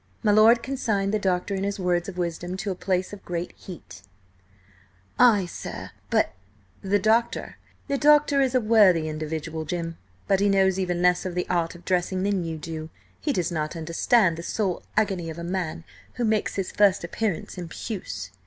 My lord consigned the doctor and his words of wisdom to a place of great heat. "Ay, sir, but—" "The doctor is a worthy individual, Jim, but he knows even less of the art of dressing than you do. He does not understand the soul agony of a man who makes his first appearance in puce."